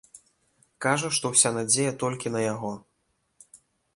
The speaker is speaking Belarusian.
Кажа, што ўся надзея толькі на яго.